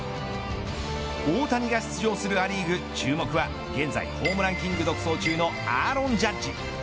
大谷が出場するア・リーグ注目は現在ホームランキング独走中のアーロン・ジャッジ。